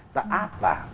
ta áp vào